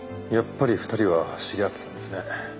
やっぱり２人は知り合ってたんですね。